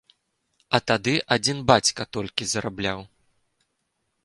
А тады адзін бацька толькі зарабляў.